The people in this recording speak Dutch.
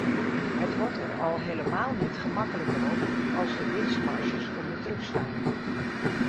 Het wordt er al helemaal niet gemakkelijker op als de winstmarges onder druk staan.